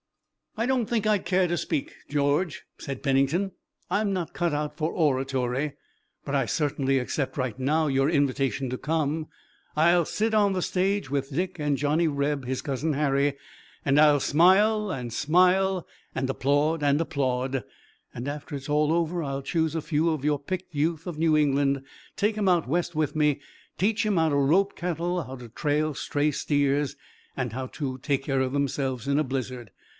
"I don't think I'd care to speak, George," said Pennington. "I'm not cut out for oratory, but I certainly accept right now your invitation to come. I'll sit on the stage with Dick and the Johnny Reb, his cousin Harry, and I'll smile and smile and applaud and applaud, and after it's all over I'll choose a few of your picked youth of New England, take 'em out west with me, teach 'em how to rope cattle, how to trail stray steers and how to take care of themselves in a blizzard.